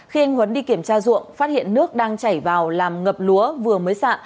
khi anh huấn đi kiểm tra dụng phát hiện nước đang chảy vào làm ngập lúa vừa mới sạ